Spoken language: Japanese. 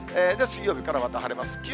で、水曜日からまた晴れます。